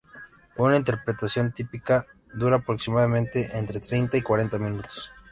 Un interpretación típica dura aproximadamente entre treinta y cuarenta minutos.